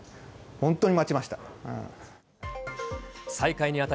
本当に待ちました。